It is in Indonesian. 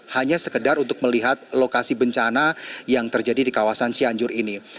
hanya sekedar untuk melihat lokasi bencana yang terjadi di kawasan cianjur ini